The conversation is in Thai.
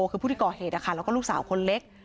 คือผู้ที่ก่อเหตุแล้วก็ลูกสาวคนเล็ก